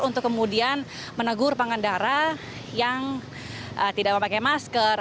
untuk kemudian menegur pengendara yang tidak memakai masker